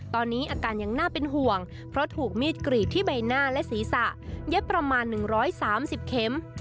ตอนนี้อาการยังน่าเป็นห่วงเพราะถูกมีดกรีดที่ใบหน้าและศีรษะเย็บประมาณ๑๓๐เข็ม